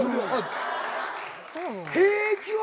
「平気」は。